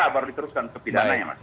baru diteruskan ke pidananya